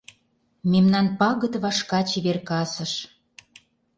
Мемнан пагыт вашка чевер касыш.